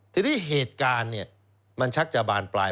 ทีนี้เหตุการณ์มันชักจะบานปลาย